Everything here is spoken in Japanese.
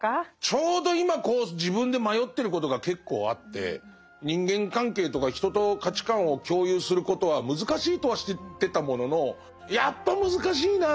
ちょうど今こう自分で迷ってることが結構あって人間関係とか人と価値観を共有することは難しいとは知ってたもののやっぱ難しいな。